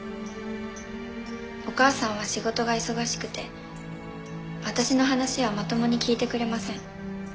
お母さんは仕事が忙しくて私の話はまともに聞いてくれません。